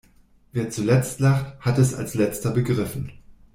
Wer zuletzt lacht, hat es als Letzter begriffen.